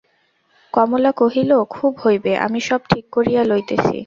কমলা কহিল, খুব হইবে–আমি সব ঠিক করিয়া লইতেছি।